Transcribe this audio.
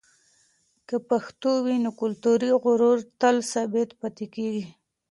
که پښتو وي، نو کلتوري غرور تل ثابت پاتېږي.